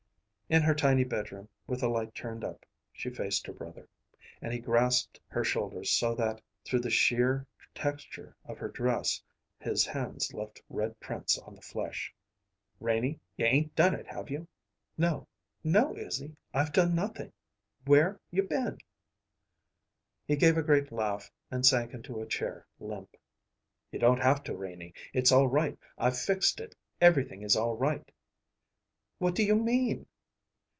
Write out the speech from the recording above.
In her tiny bedroom, with the light turned up, she faced her brother; and he grasped her shoulders so that, through the sheer texture of her dress, his hands left red prints on the flesh. "Renie, you 'ain't done it, have you?" "No, no, Izzy; I've done nothing. Where you been?" He gave a great laugh and sank into a chair, limp. "You don't have to, Renie. It's all right! I've fixed it. Everything is all right!" "What do you mean?"